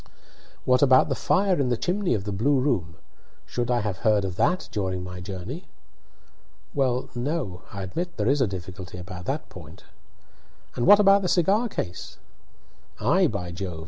"What about the fire in the chimney of the blue room should I have heard of that during my journey?" "Well, no; I admit there is a difficulty about that point." "And what about the cigar case?" "Ay, by Jove!